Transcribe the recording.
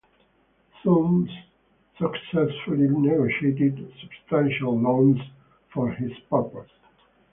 Soong successfully negotiated substantial loans for this purpose.